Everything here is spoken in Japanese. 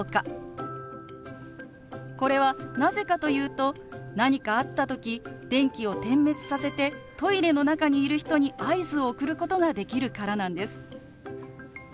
これはなぜかというと何かあった時電気を点滅させてトイレの中にいる人に合図を送ることができるからなんです。